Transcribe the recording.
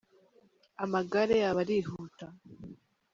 Amagare yabo arihuta.